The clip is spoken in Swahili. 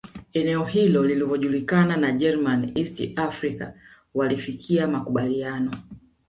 Eneo hilo lilivyojulikana na German East Africa walifikia makubaliano